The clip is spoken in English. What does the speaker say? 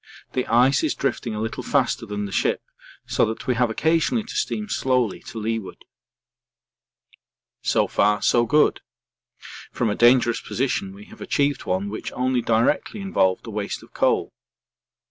The ice is drifting a little faster than the ship so that we have occasionally to steam slowly to leeward. So far so good. From a dangerous position we have achieved one which only directly involved a waste of coal.